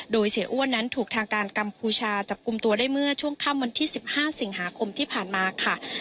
โดยเสียอ้วนนั้นถูกทางการกัมพูชาจับกลุ่มตัวได้เมื่อช่วงค่ำวันที่๑๕สิงหาคมที่ผ่านมาค่ะ